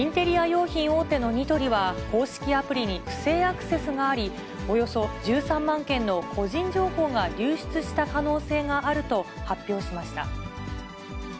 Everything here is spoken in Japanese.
用品大手のニトリは、公式アプリに不正アクセスがあり、およそ１３万件の個人情報が流出した可能性があると発表しました。